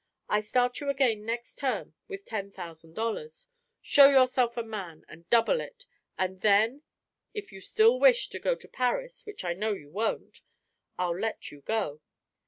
I start you again next term with ten thousand dollars; show yourself a man, and double it, and then (if you still wish to go to Paris, which I know you won't) I'll let you go.